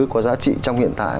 có giá trị trong hiện tại